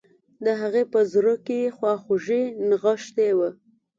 د هغې په زړه کې خواخوږي نغښتي وه